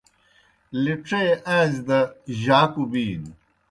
لڇے آݩزیْ دہ جاکوْ بِینوْ